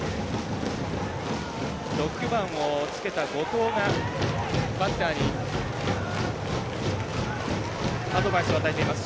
６番を着けた後藤がバッターにアドバイスを与えています。